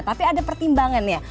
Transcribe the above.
tapi ada pertimbangannya